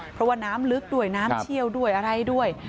เพราะว่าน้ำลึกด้วยน้ำเชี่ยวด้วยอะไรด้วย